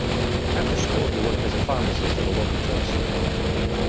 After school, he worked as a pharmacist at a local drug store.